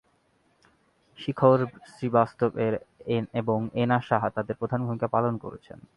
শিখর শ্রীবাস্তব এবং এনা সাহা তাদের প্রধান ভূমিকা পালন করেছেন